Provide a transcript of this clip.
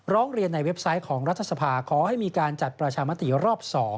ร้องเรียนในเว็บไซต์ของรัฐสภาขอให้มีการจัดประชามติรอบ๒